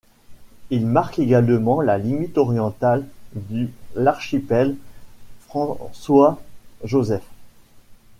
Il marque également la limite orientale du l'archipel François-Joseph.